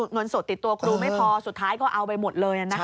เงินสดติดตัวครูไม่พอสุดท้ายก็เอาไปหมดเลย